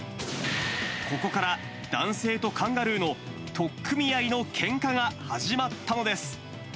ここから、男性とカンガルーの取っ組み合いのけんかが始まったのです。